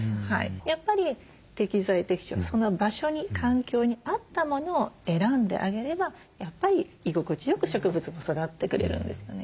やっぱり適材適所その場所に環境に合ったものを選んであげればやっぱり居心地よく植物も育ってくれるんですよね。